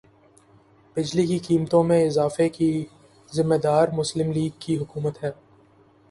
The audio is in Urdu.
بجلی کی قیمتوں میں اضافے کی ذمہ دار مسلم لیگ کی حکومت ہے